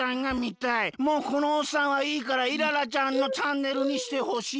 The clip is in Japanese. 「もうこのおっさんはいいからイララちゃんのチャンネルにしてほしい」。